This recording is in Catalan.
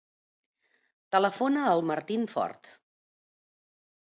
Telefona al Martín Fort.